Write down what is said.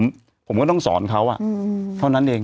เพราะว่าผมไม่ต้องสอนเขาอ่ะเท่านั้นเอง